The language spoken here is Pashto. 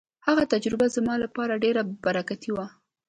هغه تجربه زما لپاره ډېره برکتي وه.